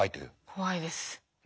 怖いです。